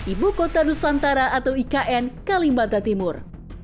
ibu kota nusantara atau ikn kalimantan timur